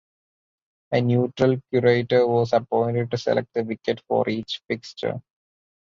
A neutral curator was appointed to select the wicket for each fixture.